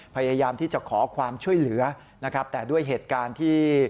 พยายามที่จะขอความช่วยเหลือนะครับแต่ด้วยเหตุการณ์ที่